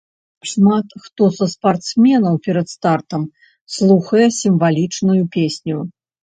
Шмат хто са спартсменаў перад стартам слухае сімвалічную песню.